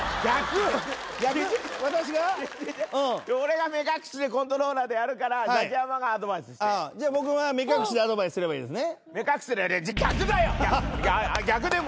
私がうん俺が目隠しでコントローラーでやるからザキヤマがアドバイスしてじゃ僕は目隠しでアドバイスすればいいんですね